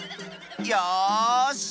よし！